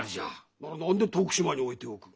なら何で徳島に置いておく？